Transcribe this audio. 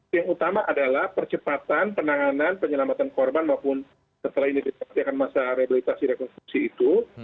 yang utama adalah percepatan penanganan penyelamatan korban maupun setelah ini kita akan masa rehabilitasi rekonstruksi itu